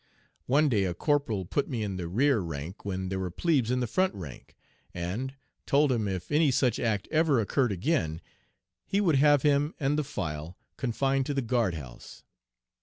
One day a corporal put me in the rear rank when there were plebes in the front rank, and told him if any such act ever occurred again he would have him and the file confined to the guard house.